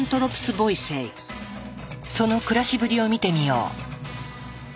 その暮らしぶりを見てみよう。